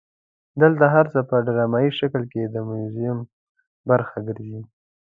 دلته هر څه په ډرامایي شکل د موزیم برخه ګرځي.